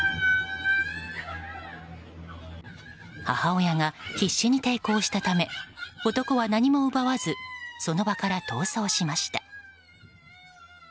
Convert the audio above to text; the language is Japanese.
母親が必死に抵抗したため男は何も奪わずその場から逃走しました。